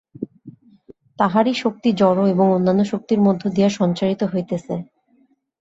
তাঁহারই শক্তি জড় ও অন্যান্য শক্তির মধ্য দিয়া সঞ্চারিত হইতেছে।